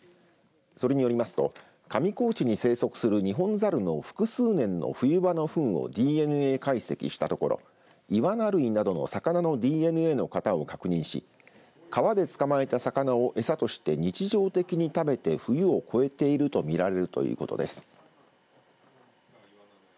それによりますと上高地に生息するニホンザルの複数年の冬場のふんをＤＮＡ解析したところイワナ類などの魚のＤＮＡの型を確認し川で捕まえた魚を餌として日常的に食べて冬を越えていると見られるということです。